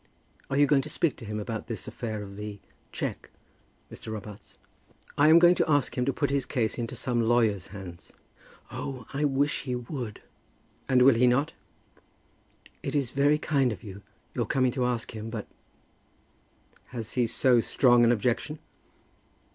Are you going to speak to him about this affair of the cheque, Mr. Robarts?" "I am going to ask him to put his case into some lawyer's hands." "Oh! I wish he would!" "And will he not?" "It is very kind of you, your coming to ask him, but " "Has he so strong an objection?"